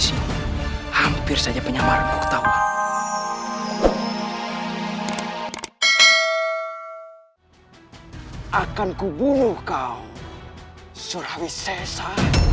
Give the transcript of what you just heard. sampai jumpa di video selanjutnya